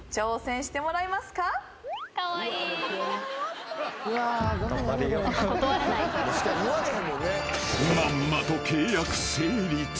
［まんまと契約成立］